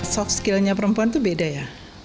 soft skill nya perempuan itu beda ya